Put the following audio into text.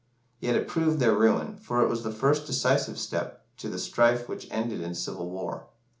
Yet it proved their ruin, for it was the first decisive step to the strife which ended in civil war.